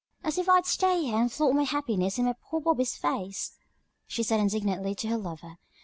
"As if I'd stay here and flaunt my happiness in poor Bobby's face!" she said indignantly to her lover.